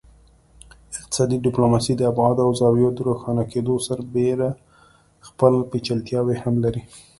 اقتصادي ډیپلوماسي د ابعادو او زاویو د روښانه کیدو سربیره خپل پیچلتیاوې هم لري